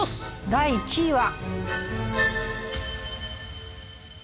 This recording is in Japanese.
第２位は。